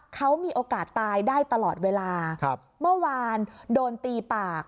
เขามีโอกาสตายได้ตลอดเวลาเมื่อวานโดนตีปาก